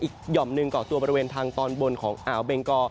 หย่อมหนึ่งก่อตัวบริเวณทางตอนบนของอ่าวเบงกอ